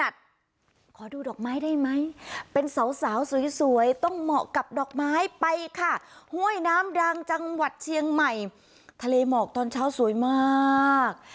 ดอกไม้ได้ไหมเป็นสาวสวยต้องเหมาะกับดอกไม้ไปค่ะห้วยน้ำดังจังหวัดเชียงใหม่ทะเลเหมาะตอนเช้าสวยมาก